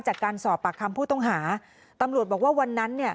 จากการสอบปากคำผู้ต้องหาตำรวจบอกว่าวันนั้นเนี่ย